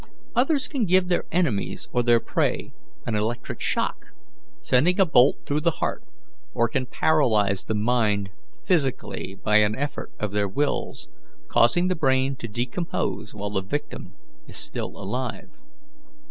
Others can give their enemies or their prey an electric shock, sending a bolt through the heart, or can paralyze the mind physically by an effort of their wills, causing the brain to decompose while the victim is still alive.